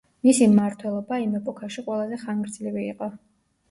მისი მმართველობა იმ ეპოქაში ყველაზე ხანგრძლივი იყო.